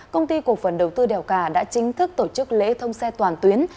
công ty cổ phần đầu tư đèo cả đã chính thức tổ chức lễ thông xe toàn tuyến